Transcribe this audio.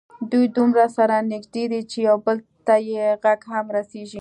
دوی دومره سره نږدې دي چې یو بل ته یې غږ هم رسېږي.